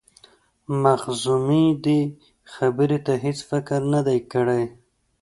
مخزومي دې خبرې ته هیڅ فکر نه دی کړی.